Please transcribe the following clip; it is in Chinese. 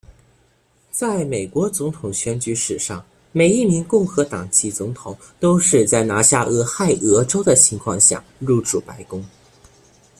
在美国总统选举史上每一名共和党籍总统都是在拿下俄亥俄州的情况下入主白宫。